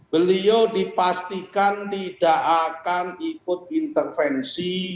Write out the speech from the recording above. beliau dipastikan tidak akan ikut intervensi